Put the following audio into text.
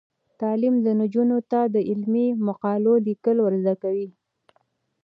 تعلیم نجونو ته د علمي مقالو لیکل ور زده کوي.